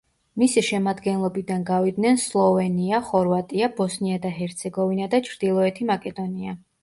მისი შემადგენლობიდან გავიდნენ სლოვენია, ხორვატია, ბოსნია და ჰერცეგოვინა და ჩრდილოეთი მაკედონია.